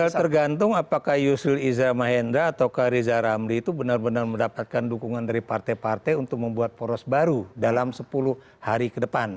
ya tergantung apakah yusril izzah mahendra atau riza ramli itu benar benar mendapatkan dukungan dari partai partai untuk membuat poros baru dalam sepuluh hari ke depan